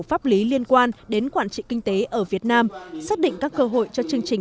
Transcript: pháp lý liên quan đến quản trị kinh tế ở việt nam xác định các cơ hội cho chương trình